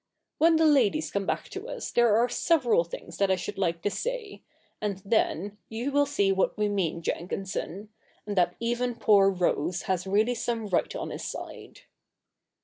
When the ladies come back to us, there are several things that I should like to say : and then you will see what we mean, Jenkinson — and that even poor Rose has really some right on his side.'